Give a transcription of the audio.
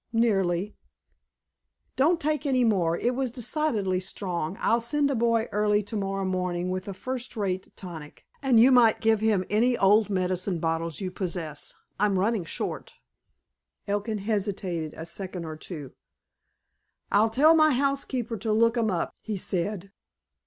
"Nearly." "Don't take any more. It was decidedly strong. I'll send a boy early to morrow morning with a first rate tonic, and you might give him any old medicine bottles you possess. I'm running short." Elkin hesitated a second or two. "I'll tell my housekeeper to look 'em up," he said.